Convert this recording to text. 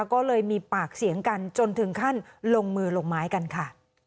ก็เลยมีปากเสียงกันจนถึงขั้นลงมือลงไม้กันค่ะ